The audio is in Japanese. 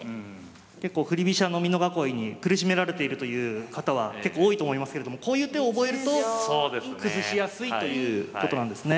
結構振り飛車の美濃囲いに苦しめられているという方は結構多いと思いますけれどもこういう手を覚えると崩しやすいということなんですね。